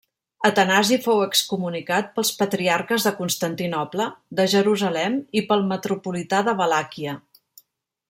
Atanasi fou excomunicat pels patriarques de Constantinoble, de Jerusalem, i pel metropolità de Valàquia.